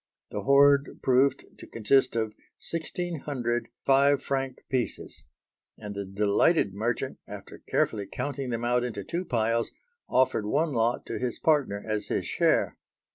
The hoard proved to consist of sixteen hundred five franc pieces; and the delighted merchant, after carefully counting them out into two piles, offered one lot to his partner as his share.